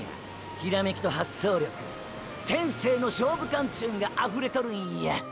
ヒラメキと発想力天性の勝負勘ちゅうんがあふれとるんや！！